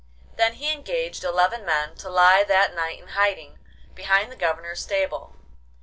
Then he engaged eleven men to lie that night in hiding behind the Governor's stable.